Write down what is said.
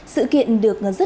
sự kiện được ngần rất nhiều